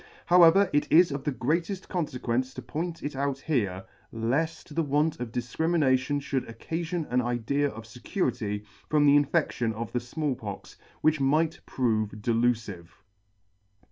However, it is of the greateft confe quence to point it out here, left the want of dif crimination fhould occafton an idea of fecurity from the infeHion of the Small Pox, which might prove delufive.